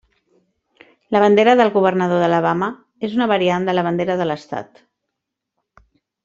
La bandera del governador d'Alabama és una variant de la bandera de l'estat.